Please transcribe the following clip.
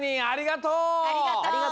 ありがとう！